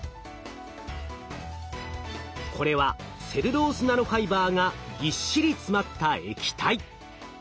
これはセルロースナノファイバーがぎっしり詰まった液体。